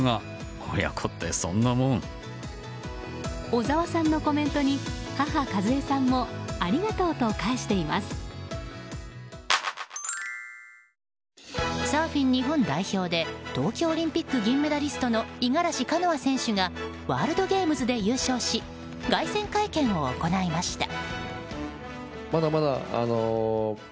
小沢さんのコメントに母・かずえさんもサーフィン日本代表で東京オリンピック銀メダリストの五十嵐カノア選手がワールドゲームズで優勝し凱旋会見を行いました。